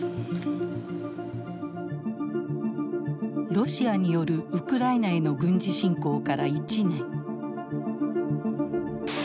ロシアによるウクライナへの軍事侵攻から１年。